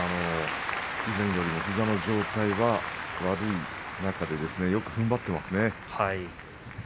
以前よりも膝の状態が悪い中でよくふんばっていますね。